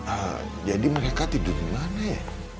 ah jadi mereka tidur dimana ya